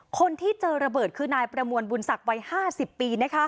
คนที่เจอระเบิดคือนายประมวลบุญศักดิ์วัย๕๐ปี